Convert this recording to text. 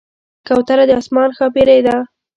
کوتره د آسمان ښاپېرۍ ده.